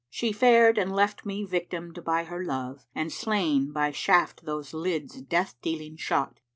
She fared and left me victimed by her love * And slain by shaft those lids death dealing shot."